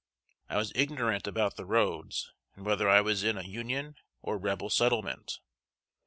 I was ignorant about the roads, and whether I was in a Union or Rebel settlement.